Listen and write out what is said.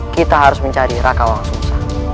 kita harus mencari rakawang susa